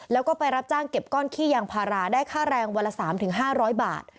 แล้วก็ไปรับจ้างเก็บก้อนขี้ยางพาราได้ค่าแรงวันละ๓๕๐๐บาท